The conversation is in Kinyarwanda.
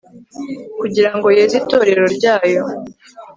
kugira ngo yeze itorero ryayo